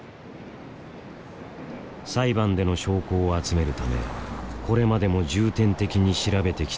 裁判での証拠を集めるためこれまでも重点的に調べてきた場所だ。